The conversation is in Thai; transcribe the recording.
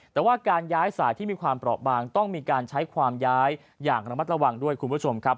แต่ว่าการย้ายสายที่มีความเปราะบางต้องมีการใช้ความย้ายอย่างระมัดระวังด้วยคุณผู้ชมครับ